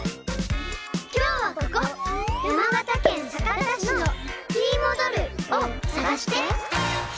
・きょうはここ山形県酒田市の「ひーもどる」をさがして。